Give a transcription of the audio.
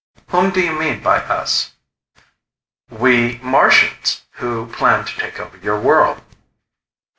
"Whom do you mean by us?" "We Martians, who plan to take over your world."